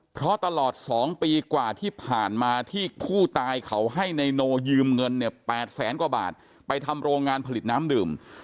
เพราะตลอด๒ปีกว่าที่ผ่านมาที่ผู้ตายเขาให้นายโนยืมเงินเนี่ย๘แสนกว่าบาทไปทำโรงงานผลิตน้ำดื่ม